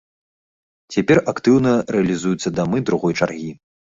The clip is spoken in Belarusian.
Цяпер актыўна рэалізуюцца дамы другой чаргі.